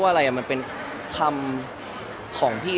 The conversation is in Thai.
แล้วถ่ายละครมันก็๘๙เดือนอะไรอย่างนี้